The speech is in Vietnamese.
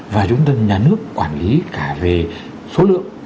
và chúng ta nhà nước quản lý cả về số lượng